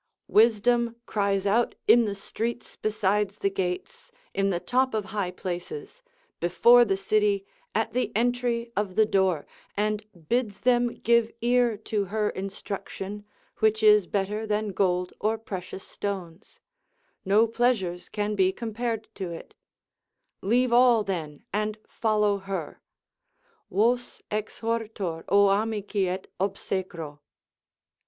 Wisdom cries out in the streets besides the gates, in the top of high places, before the city, at the entry of the door, and bids them give ear to her instruction, which is better than gold or precious stones; no pleasures can be compared to it: leave all then and follow her, vos exhortor o amici et obsecro.